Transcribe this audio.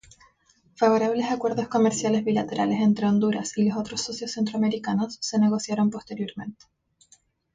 Favorables acuerdos comerciales bilaterales entre Honduras y los otros socios centroamericanos se negociaron posteriormente.